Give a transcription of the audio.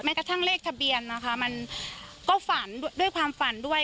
กระทั่งเลขทะเบียนนะคะมันก็ฝันด้วยความฝันด้วย